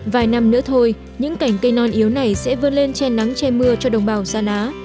vài năm nữa thôi những cảnh cây non yếu này sẽ vươn lên che nắng che mưa cho đồng bào sa ná